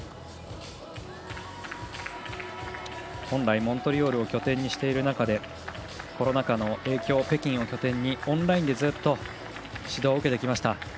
本来モントリオールを拠点にしている中コロナ禍の影響、北京を拠点にオンラインでずっと指導を受けてきました。